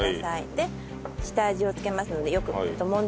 で下味を付けますのでよくもんで頂いて。